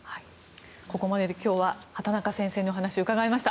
ここまで今日は畑中先生にお話を伺いました。